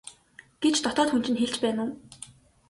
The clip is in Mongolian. гэж дотоод хүн чинь хэлж байна уу?